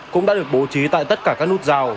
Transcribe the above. cũng đã được bố trí tại tất cả các nút rào